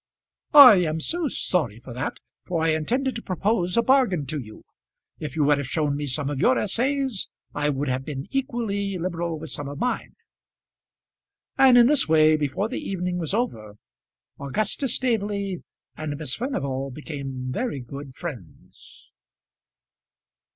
"I am so sorry for that, for I intended to propose a bargain to you. If you would have shown me some of your essays, I would have been equally liberal with some of mine." And in this way, before the evening was over, Augustus Staveley and Miss Furnival became very good friends.